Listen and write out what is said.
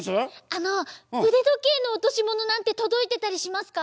あのうでどけいのおとしものなんてとどいてたりしますか？